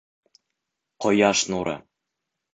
ҠОЯШ НУРЫ